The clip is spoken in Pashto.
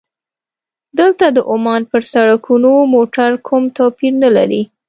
دلته د عمان پر سړکونو موټر کوم توپیر نه لري.